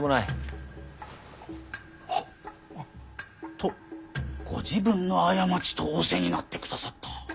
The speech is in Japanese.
とご自分の過ちと仰せになってくださった。